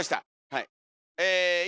はい。